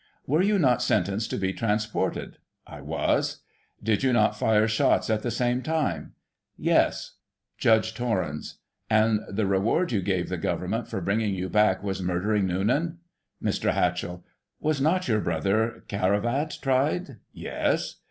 Were you not sentenced to be transported ?— I was. Did you not fire shots at the same time ?— ^Yes. Judge Torrens : And the reward you gave the Government for bringing you back was murdering Noonan. Mr. Hatchell : Was not your brother Caravat tried .?— ^Yes.